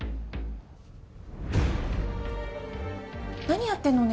何やってるの？